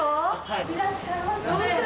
いらっしゃいませ。